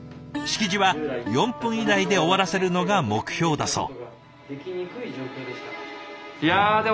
式辞は４分以内で終わらせるのが目標だそう。